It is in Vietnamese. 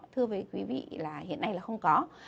thưa quý vị là hiện nay là không có